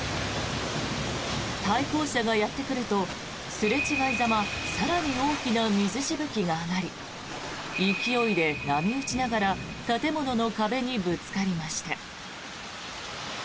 対向車がやってくるとすれ違いざま更に大きな水しぶきが上がり勢いで波打ちながら建物の壁にぶつかりました。